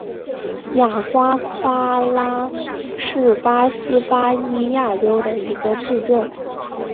雅瓜夸拉是巴西巴伊亚州的一个市镇。